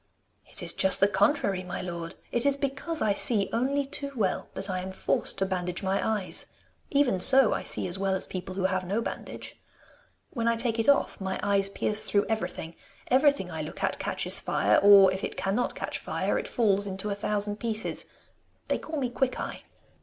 'It is just the contrary, my lord! It is because I see only too well that I am forced to bandage my eyes. Even so I see as well as people who have no bandage. When I take it off my eyes pierce through everything. Everything I look at catches fire, or, if it cannot catch fire, it falls into a thousand pieces. They call me Quickeye.